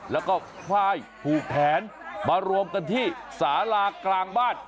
แล้วก็ควายผูกแผนมารวมกันที่สารากลางบ้าน